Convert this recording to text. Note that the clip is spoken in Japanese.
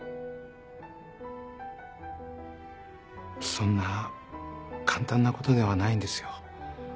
そんな簡単なことではないんですよ。